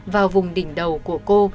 vào vùng đỉnh đầu của cô